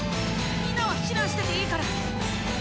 みんなは避難してていいから！